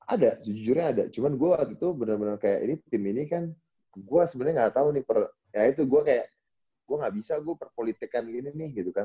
ada sejujurnya ada cuman gue waktu itu bener bener kayak ini tim ini kan gue sebenarnya gak tau nih ya itu gue kayak gue gak bisa gue perpolitikan ini nih gitu kan